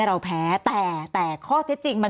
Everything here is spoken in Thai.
เราแพ้แต่ข้อที่จริงบอกว่ามันไปทางเดียวกัน